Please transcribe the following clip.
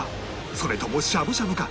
それともしゃぶしゃぶか？